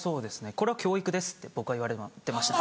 「これは教育です」って僕は言われてました。